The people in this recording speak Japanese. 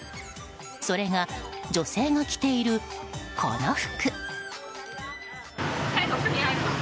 それが、女性が着ているこの服。